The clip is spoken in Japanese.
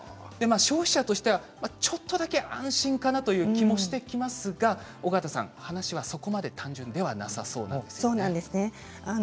消費者はちょっとだけ安心かなという気もしてきますが小方さん、話はそこまで単純ではなさそうなんですよね。